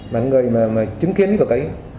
mà người mà chứng kiến vào cái